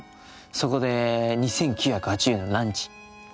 そこで２９８０円のランチ。